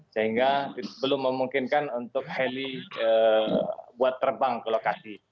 sehingga belum memungkinkan untuk heli buat terbang ke lokasi